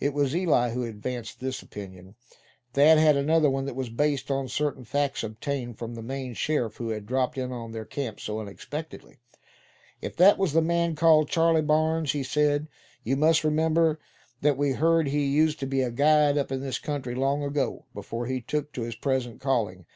It was Eli who advanced this opinion. Thad had another one that was based on certain facts obtained from the Maine sheriff who had dropped in on their camp so unexpectedly. "If that was the man called Charley Barnes," he said, "you must remember that we heard he used to be a guide up in this country long ago, before he took to his present calling.